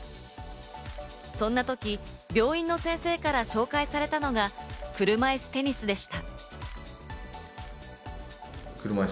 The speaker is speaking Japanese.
そんなとき、病院の先生から紹介されたのが、車いすテニスでした。